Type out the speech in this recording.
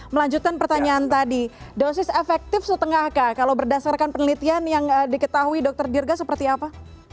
melanjutkan pertanyaan tadi dosis efektif setengah kah kalau berdasarkan penelitian yang diketahui dr dirga seperti apa